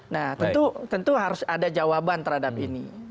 nah tentu harus ada jawaban terhadap ini